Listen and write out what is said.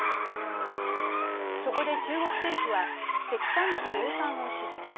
そこで中国政府は石炭の増産を指示。